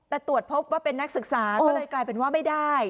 แต่ตรวจพบว่าเป็นนักศึกษาก็เลยกลายเป็นว่าไม่ได้